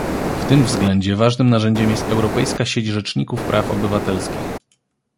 W tym względzie ważnym narzędziem jest Europejska Sieć Rzeczników Praw Obywatelskich